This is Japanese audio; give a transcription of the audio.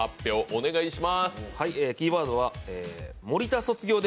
お願いします。